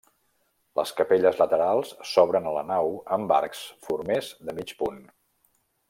Les capelles laterals s'obren a la nau amb arcs formers de mig punt.